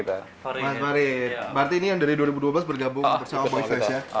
mas farid berarti ini yang dari dua ribu dua belas bergabung bersama bang fresh ya